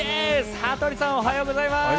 羽鳥さんおはようございます！